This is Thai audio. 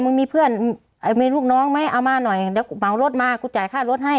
มึงมีเพื่อนมีลูกน้องไหมเอามาหน่อยเดี๋ยวกูเหมารถมากูจ่ายค่ารถให้